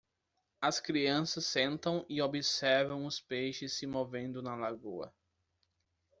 As crianças sentam e observam os peixes se movendo na lagoa